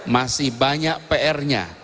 masih banyak pr nya